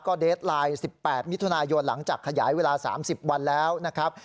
เดสไลน์๑๘มิถุนายนหลังจากขยายเวลา๓๐วันแล้วนะครับ